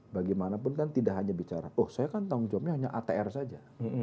bagi mana pun kan tidak hanya bicara oh saya kan tahun jubahnya hanya atr saja